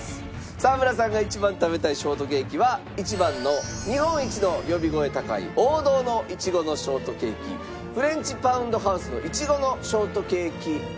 沢村さんが一番食べたいショートケーキは１番の日本一の呼び声高い王道のイチゴのショートケーキフレンチパウンドハウスの苺のショートケーキ・ブランか。